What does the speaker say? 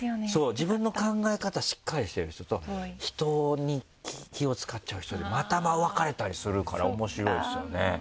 自分の考え方しっかりしてる人と人に気を使っちゃう人でまた分かれたりするから面白いですよね。